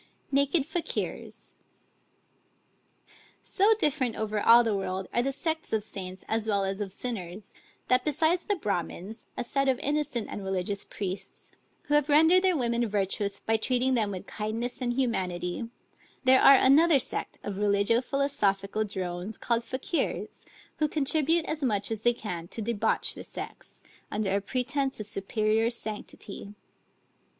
NAKED FAKIERS So different over all the world are the sects of saints as well as of sinners, that besides the Bramins, a set of innocent and religious priests, who have rendered their women virtuous by treating them with kindness and humanity, there are another sect of religio philosophical drones, called Fakiers, who contribute as much as they can to debauch the sex, under a pretence of superior sanctity.